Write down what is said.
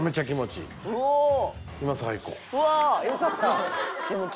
「うわー！よかった！」